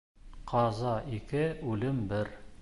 Ҡаза ике, үлем бер.